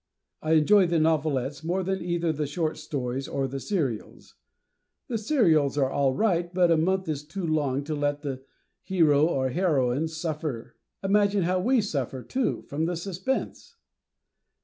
I enjoy the novelettes more than either the short stories or the serials. The serials are all right, but a month is too long to let the hero or heroine suffer. Imagine how WE suffer, too, from the suspense!